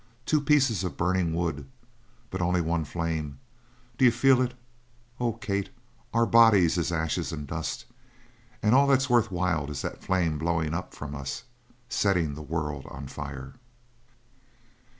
Two pieces of burnin' wood, but only one flame d'you feel it? Oh, Kate, our bodies is ashes and dust, and all that's worth while is that flame blowin' up from us, settin' the world on fire!"